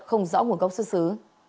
không rõ nguồn gốc xuất xứ